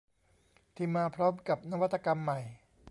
ที่มาพร้อมกับนวัตกรรมใหม่